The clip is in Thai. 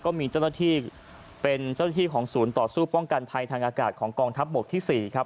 ก็มีเจ้าหน้าที่เป็นเจ้าหน้าที่ของศูนย์ต่อสู้ป้องกันภัยทางอากาศของกองทัพบกที่๔ครับ